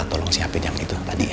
tolong siapin yang itu yang tadi ya